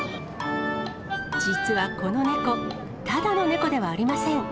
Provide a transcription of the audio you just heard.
実はこの猫、ただの猫ではありません。